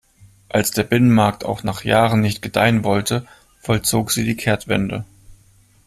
Als der Binnenmarkt auch nach Jahren nicht gedeihen wollte, vollzog sie die Kehrtwende.